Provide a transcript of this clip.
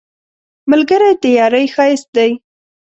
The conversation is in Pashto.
ملګری د یارۍ ښایست دی